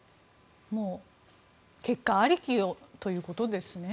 もう結果ありきということですね。